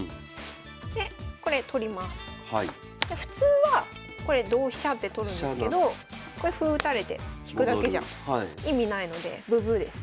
普通はこれ同飛車って取るんですけどこれ歩打たれて引くだけじゃ意味ないのでブブーです。